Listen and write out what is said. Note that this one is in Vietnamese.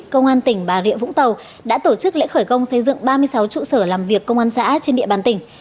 công an tỉnh bà rịa vũng tàu đã tổ chức lễ khởi công xây dựng ba mươi sáu trụ sở làm việc công an xã trên địa bàn tỉnh